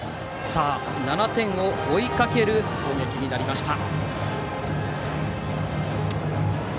７点を追いかける攻撃になりました。